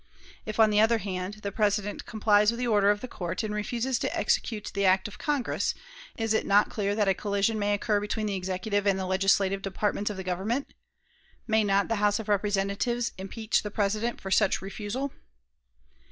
If, on the other hand, the President complies with the order of the Court, and refuses to execute the act of Congress, is it not clear that a collision may occur between the executive and the legislative departments of the Government? May not the House of Representatives impeach the President for such refusal?"